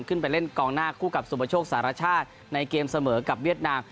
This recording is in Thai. ขึ้นไปเล่นกองหน้าคู่กับสุปโชคสารชาติในเกมเสมอกับเวียดนาม